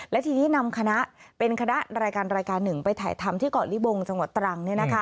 และทีนี้นำคณะเป็นคณะรายการรายการหนึ่งไปถ่ายทำที่เกาะลิบงจังหวัดตรัง